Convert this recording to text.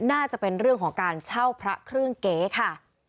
น่าจะเป็นเรื่องของการเช่าพระเครื่องเก๋ค่ะ